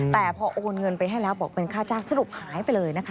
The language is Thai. แต่พอโอนเงินไปให้แล้วบอกเป็นค่าจ้างสรุปหายไปเลยนะคะ